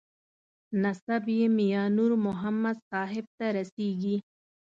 نسب یې میانور محمد صاحب ته رسېږي.